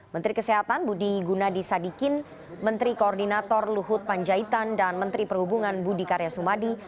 menteri kesehatan budi gunadisadikin menteri koordinator luhut panjaitan dan menteri perhubungan budi karya sumadi